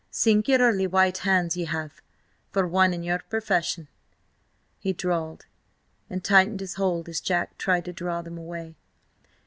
"Singularly white hands ye have, for one in your profession," he drawled, and tightened his hold as Jack tried to draw them away.